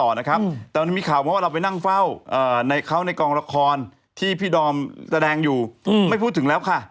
นักข่าวไปถามว่าไม่มีดุมเข้ามาคุยเลยเหรอ